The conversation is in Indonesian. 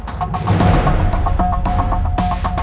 sebenernya aku bisa muat dan sejarah aja